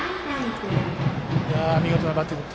見事なバッティング。